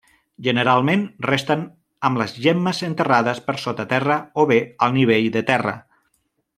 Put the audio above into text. Generalment resten amb les gemmes enterrades per sota terra o bé al nivell de terra.